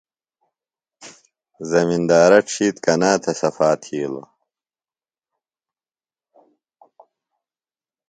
زمندارہ ڇھیتر کنا تھےۡ صفا تِھیلوۡ؟